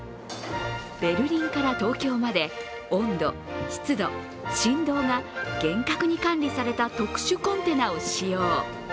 ベルリンから東京まで温度、湿度、振動が厳格に管理された特殊コンテナを使用。